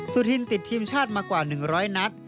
สุธินติดทีมชาติมากว่า๑๐๐นัด